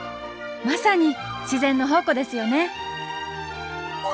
まさに自然の宝庫ですよね。